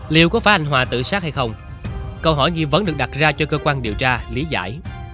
liệu có phải anh hòa tự sát hay không câu hỏi nghi vấn được đặt ra cho cơ quan điều tra lý giải